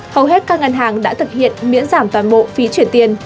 hầu hết các ngân hàng đã thực hiện miễn giảm toàn bộ phí chuyển tiền